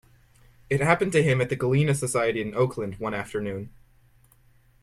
It happened to him at the Gallina Society in Oakland one afternoon.